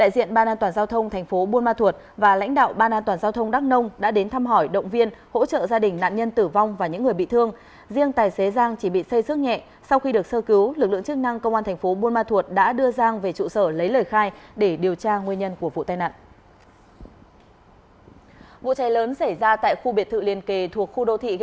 xin chào và hẹn gặp lại